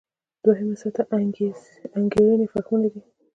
دوهمه سطح انګېرنې فهمونه دي.